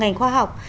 ngành khoa học